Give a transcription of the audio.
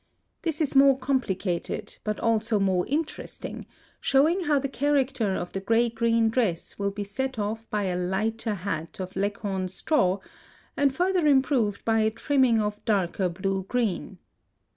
This is more complicated, but also more interesting, showing how the character of the gray green dress will be set off by a lighter hat of Leghorn straw, and further improved by a trimming of darker blue green.